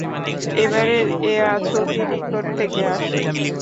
এবারের এ আওয়াজ অতি নিকট থেকে আসে।